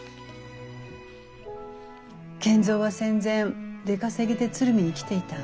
賢三は戦前出稼ぎで鶴見に来ていた。